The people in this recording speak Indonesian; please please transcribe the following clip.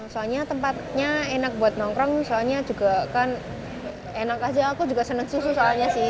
soalnya tempatnya enak buat nongkrong soalnya juga kan enak aja aku juga senang susu soalnya sih